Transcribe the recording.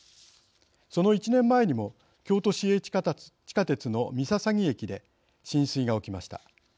その１年前にも京都市営地下鉄の御陵駅で浸水が起きました。